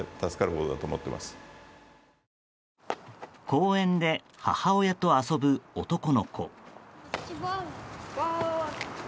公園で母親と遊ぶ男の子。